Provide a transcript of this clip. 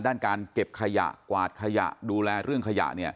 ด้านการเก็บขยะกวาดขยะดูแลเรื่องขยะ